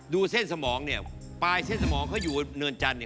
เส้นสมองเนี่ยปลายเส้นสมองเขาอยู่เนินจันทร์เนี่ย